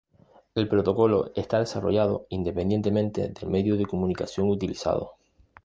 El protocolo está desarrollado independientemente del medio de comunicación utilizado.